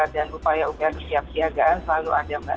dan upaya upaya bersiap siaga selalu ada